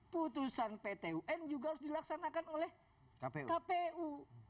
putusan ptun juga harus dilaksanakan oleh kpu